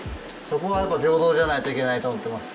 そこはやっぱ平等じゃないといけないと思ってます